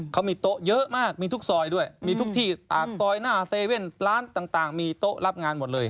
เขามีโต๊ะเยอะมากมีทุกซอยด้วยมีทุกที่ปากซอยหน้าเซเว่นร้านต่างมีโต๊ะรับงานหมดเลย